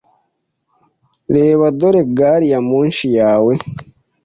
Reba, dore gari ya moshi yawe.